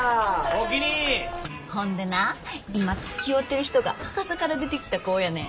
ほんでな今つきおうてる人が博多から出てきた子やねん。